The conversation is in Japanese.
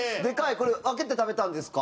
これ分けて食べたんですか？